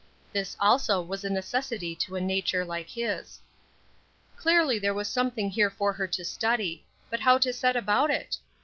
This also was a necessity to a nature like his. Clearly there was something here for her to study; but how to set about it?